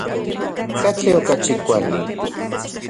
¿Katli okachi kuali?